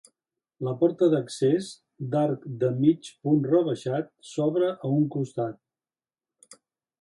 La porta d'accés, d'arc de mig punt rebaixat, s'obre a un costat.